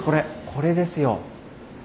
これですよ。